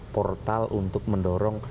portal untuk mendorong